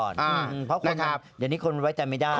เราก็ล็อกไว้ก่อนเดี๋ยวนี้คนไว้แต่ไม่ได้